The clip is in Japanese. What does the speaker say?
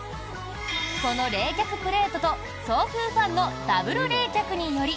この冷却プレートと送風ファンのダブル冷却により